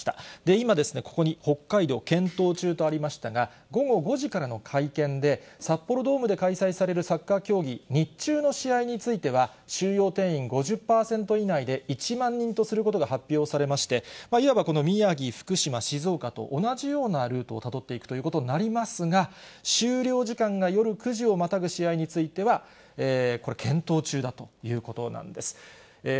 今、ここに北海道検討中とありましたが、午後５時からの会見で、札幌ドームで開催されるサッカー競技、日中の試合については収容定員５０％以内で１万人とすることが発表されまして、いわばこの宮城、福島、静岡と同じようなルートをたどっていくということになりますが、終了時間が夜９時をまたぐ試合については、これ、検討中だということなんです。